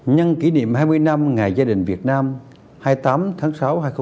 nhân kỷ niệm hai mươi năm ngày gia đình việt nam hai mươi tám tháng sáu hai nghìn một mươi